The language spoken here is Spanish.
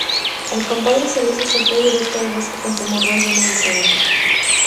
El compadre celoso se fue directo al bosque con su morral lleno de tabaco.